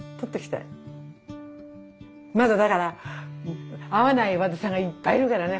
まだだから会わない和田さんがいっぱいいるからね